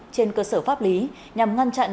trên cơ sở pháp lý nhằm ngăn chặn